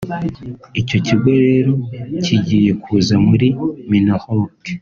Icyo kigo rero kigiye kuza muri Minaloc